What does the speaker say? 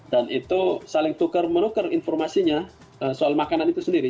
dan itu saling tukar menukar informasinya soal makanan itu sendiri